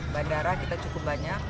bandara kita cukup banyak